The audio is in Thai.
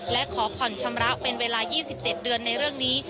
และขอผ่อนชำระเป็นเวลา๒๗เดือนในเรื่องนี้